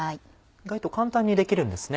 意外と簡単にできるんですね。